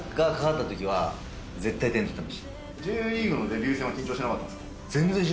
Ｊリーグのデビュー戦は緊張しなかったですか？